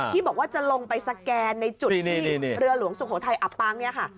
ที่บอกว่าจะลงไปสแกนในจุดที่เรือหลวงสุโขทัยอับปางเนี่ยค่ะ